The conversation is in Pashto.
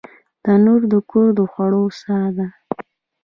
تنور د کور د خوړو ساه ده